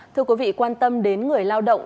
thưa quý vị quan tâm đến người lao động